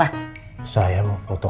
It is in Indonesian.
ngapain lagi ngapain handphonenya buat apa